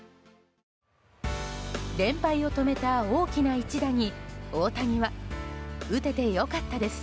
連敗を止めた大きな一打に大谷は打てて良かったです